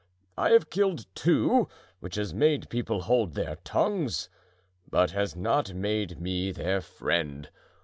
I have killed two, which has made people hold their tongues, but has not made me their friend.